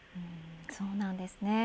そうなんですね。